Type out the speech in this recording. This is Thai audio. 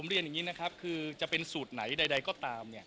เรียนอย่างนี้นะครับคือจะเป็นสูตรไหนใดก็ตาม